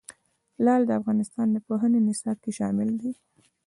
لعل د افغانستان د پوهنې نصاب کې شامل دي.